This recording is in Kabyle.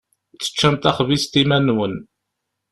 Teččam taxbizt iman-nwen.